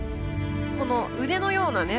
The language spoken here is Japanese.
この腕のようなね